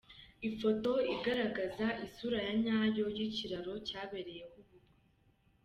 Ifoto igaragaza isura ya nyayo y'ikiraro cyabereyeho ubukwe.